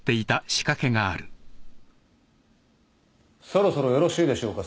そろそろよろしいでしょうか？